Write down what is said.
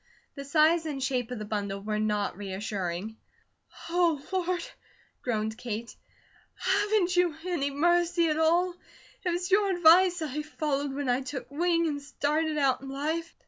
The size and shape of the bundle were not reassuring. "Oh, Lord!" groaned Kate. "Haven't You any mercy at all? It was Your advice I followed when I took wing and started out in life."